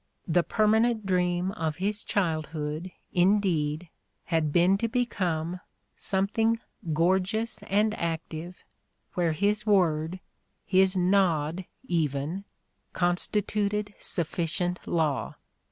The permanent dream of his childhood, indeed, had been to become "something gor geous and active, where his word — his nod, even, consti tuted sufficient law.